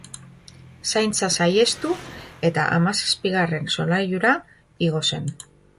Zaintza saihestu eta hamazazpigarren solairura igo zen.